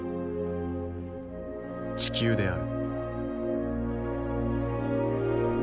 地球である。